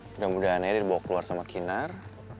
mudah mudahan air dibawa keluar sama kinar